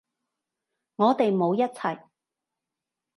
我哋冇一齊